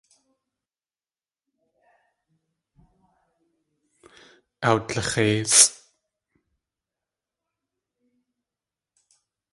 Awdlix̲éisʼ.